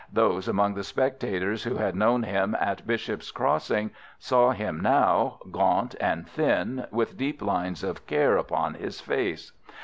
Those among the spectators who had known him at Bishop's Crossing saw him now, gaunt and thin, with deep lines of care upon his face.